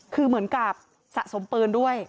คือเหมือนกับสะสมปืนด้วย